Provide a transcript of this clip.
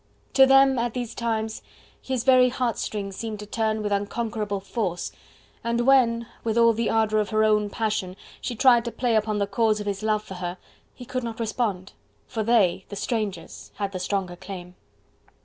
To them at these times his very heartstrings seemed to turn with unconquerable force, and when, with all the ardour of her own passion, she tried to play upon the cords of his love for her, he could not respond, for they the strangers had the stronger claim.